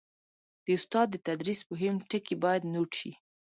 د استاد د تدریس مهم ټکي باید نوټ شي.